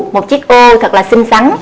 một chiếc ô thật là xinh xắn